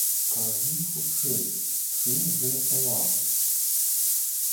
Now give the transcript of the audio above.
Кажы хутчэй, чый гэта лапаць?